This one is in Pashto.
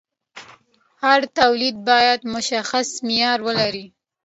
هر تولید باید مشخص معیار ولري.